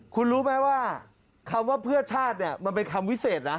คุณรู้ไหมว่าคำว่าเพื่อชาติเนี่ยมันเป็นคำวิเศษนะ